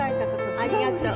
ありがとう。